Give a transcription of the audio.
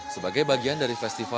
sebagai bagian dari festival